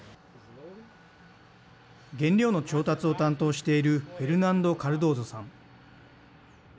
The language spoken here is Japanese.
原料の調達を担当しているフェルナンド・カルドーゾさん。